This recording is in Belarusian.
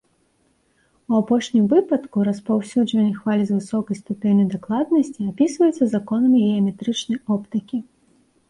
У апошнім выпадку распаўсюджванне хваль з высокай ступенню дакладнасці апісваецца законамі геаметрычнай оптыкі.